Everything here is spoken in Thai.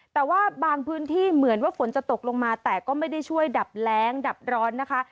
แต่ว่าบางพื้นที่เหมือนว่าฝนจะตกลงมาแต่ก็ไม่ได้ช่วยดับแรงดับร้อนนะคะ